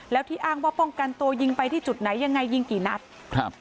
แล้วที่อ้างว่าป้องกันตัวยิงไปที่จุดไหนยังไงยิงกี่นัดครับ